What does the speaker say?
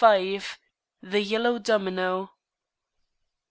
V. THE YELLOW DOMINO.